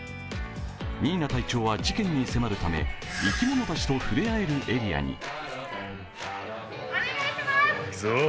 新名隊長は事件に迫るため生き物たちと触れ合えるエリアに。